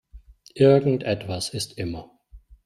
Irgendetwas ist immer.